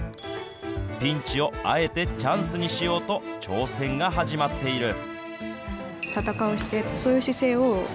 ピンチをあえてチャンスにしようと、挑戦が始まっている。